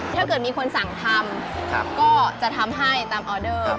ถ้าเกิดมีคนสั่งทำก็จะทำให้ตามออเดอร์